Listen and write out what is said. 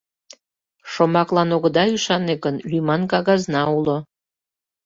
— Шомаклан огыда ӱшане гын, лӱман кагазна уло.